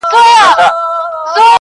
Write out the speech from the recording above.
اوبه د ځمکې لپاره ژوند دی.